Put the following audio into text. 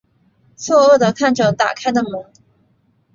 错愕的看着打开的门